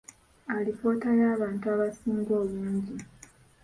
Alipoota y’abantu abasinga obungi.